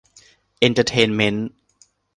เอนเตอร์เทนเมนท์